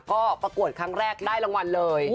ก็ประกวดครั้งแรกได้รางวัลเลย